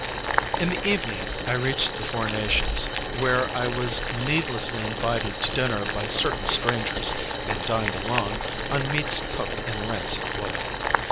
In the evening I reached the Four Nations, where I was needlessly invited to dinner by certain strangers, and dined alone, on meats cooked in rancid oil.